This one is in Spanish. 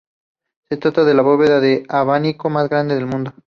Se trata de la bóveda de abanico más grande del mundo.